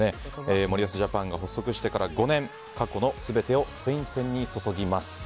森保ジャパンが発足してから５年過去の全てをスペイン戦に注ぎます。